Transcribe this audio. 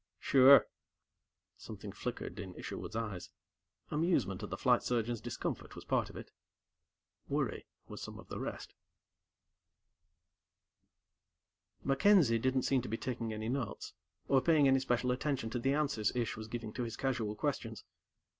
"Sure." Something flickered in Isherwood's eyes. Amusement at the Flight Surgeon's discomfort was part of it. Worry was some of the rest. MacKenzie didn't seem to be taking any notes, or paying any special attention to the answers Ish was giving to his casual questions.